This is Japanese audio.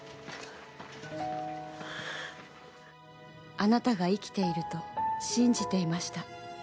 あなたが生きていると信じていました。